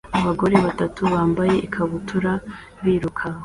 Abagore batatu bambaye ikabutura biruka